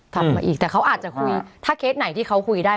กลับมาอีกแต่เขาอาจจะคุยถ้าเคสไหนที่เขาคุยได้